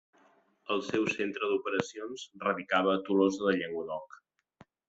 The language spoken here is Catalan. El seu centre d'operacions radicava a Tolosa de Llenguadoc.